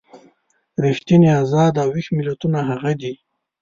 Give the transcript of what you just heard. ریښتیني ازاد او ویښ ملتونه هغه دي.